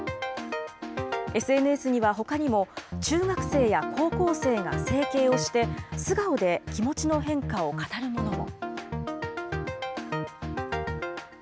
ＳＮＳにはほかにも、中学生や高校生が整形をして、素顔で気持ちの変化を語るものも。